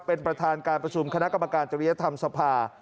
เป็นประธานการประชุมคณะกรรมการจริยธรรมสภา